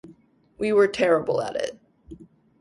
We were terrible at it.